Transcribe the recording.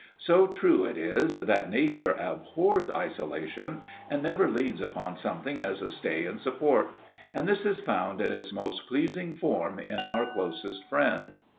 So true it is that nature abhors isolation, and ever leans upon something as a stay and support; and this is found in its most pleasing form in our closest friend.